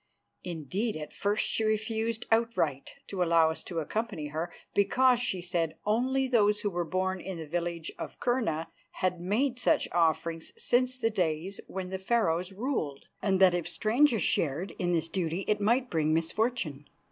Indeed, at first she refused outright to allow us to accompany her, because, she said, only those who were born in the village of Kurna had made such offerings since the days when the Pharaohs ruled, and that if strangers shared in this duty it might bring misfortune.